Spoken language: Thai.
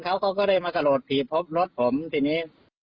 เขาก็ได้มาสะโหลดผีพบรถผมทีนี้